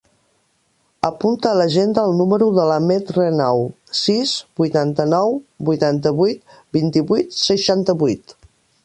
Apunta a l'agenda el número de l'Ahmed Renau: sis, vuitanta-nou, vuitanta-vuit, vint-i-vuit, seixanta-vuit.